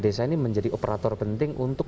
desa ini menjadi operator penting untuk